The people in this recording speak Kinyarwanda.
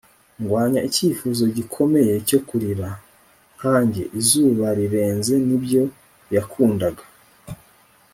ndwanya icyifuzo gikomeye cyo kurira. nkanjye, izuba rirenze nibyo yakundaga